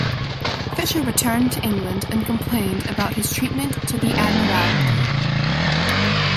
Fisher returned to England and complained about his treatment to the Admiralty.